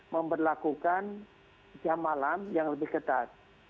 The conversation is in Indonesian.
memperlakukan jam malam yang lebih ketat